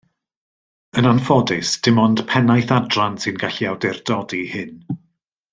Yn anffodus dim ond pennaeth adran sy'n gallu awdurdodi hyn